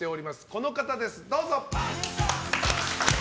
この方です、どうぞ！